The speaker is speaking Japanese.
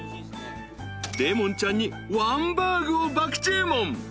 ［レモンちゃんにわんバーグを爆注文］